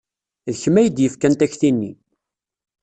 D kemm ay d-yefkan takti-nni.